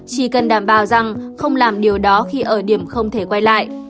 chỉ cần đảm bảo rằng không làm điều đó khi ở điểm không thể quay lại